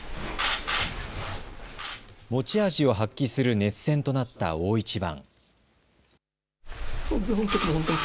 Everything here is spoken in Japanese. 持ち味を発揮する熱戦となった大一番。